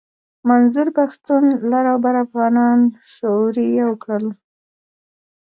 منظور پښتون لر او بر افغانان شعوري يو کړل.